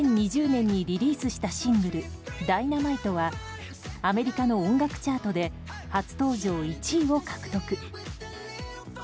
２０２０年にリリースしたシングル「Ｄｙｎａｍｉｔｅ」はアメリカの音楽チャートで初登場１位を獲得。